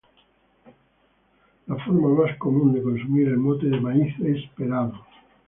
La forma más común de consumir el mote de maíz es pelado.